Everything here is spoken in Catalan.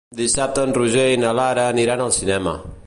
Dissabte en Roger i na Lara aniran al cinema.